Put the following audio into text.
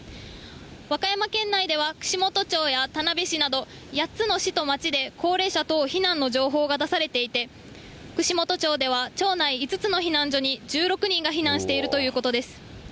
和歌山県内では串本町や田辺市など、８つの市と町で高齢者等避難の情報が出されていて、串本町では、町内５つの避難所に１６人が避難しているということです。